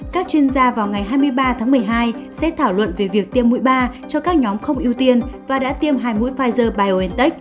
các chuyên gia vào ngày hai mươi ba tháng một mươi hai sẽ thảo luận về việc tiêm mũi ba cho các nhóm không ưu tiên và đã tiêm hai mũi pfizer biontech